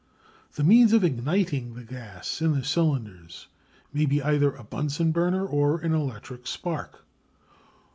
The means of igniting the gas in the cylinders may be either a Bunsen burner or an electric spark.